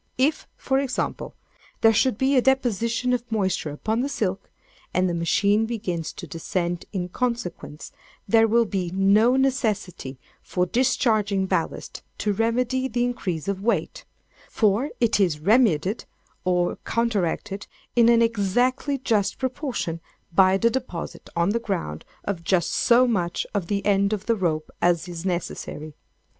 If, for example, there should be a deposition of moisture upon the silk, and the machine begins to descend in consequence, there will be no necessity for discharging ballast to remedy the increase of weight, for it is remedied, or counteracted, in an exactly just proportion, by the deposit on the ground of just so much of the end of the rope as is necessary.